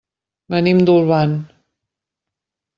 Venim d'Olvan.